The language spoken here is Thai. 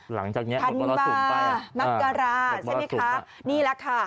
หลังจากนี้อบรสุมไปอบรสุมค่ะพันบาลมักราใช่ไหมคะนี่แหละค่ะ